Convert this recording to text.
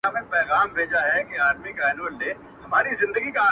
په یوه شان وه د دواړو معاسونه،